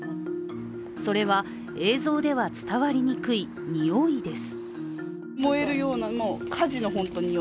それは、映像では伝わりにくい臭いです。